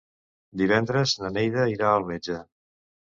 Divendres na Neida irà al metge.